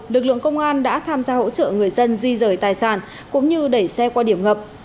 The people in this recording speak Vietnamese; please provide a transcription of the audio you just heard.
lực lượng công an đã tham gia hỗ trợ người dân di rời tài sản cũng như đẩy xe qua điểm ngập